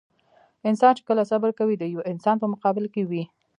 انسان چې کله صبر کوي د يوه انسان په مقابل کې وي.